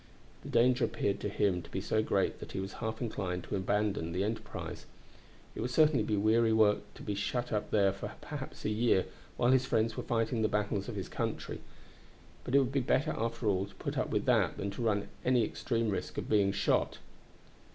The danger appeared to him to be so great that he was half inclined to abandon the enterprise. It would certainly be weary work to be shut up there for perhaps a year while his friends were fighting the battles of his country; but it would be better after all to put up with that than to run any extreme risk of being shot.